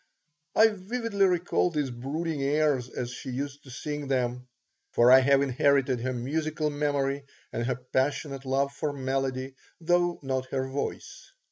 I vividly recall these brooding airs as she used to sing them, for I have inherited her musical memory and her passionate love for melody, though not her voice.